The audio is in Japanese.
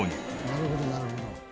なるほどなるほど。